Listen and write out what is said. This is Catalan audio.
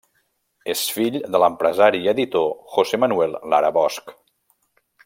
És fill de l'empresari i editor José Manuel Lara Bosch.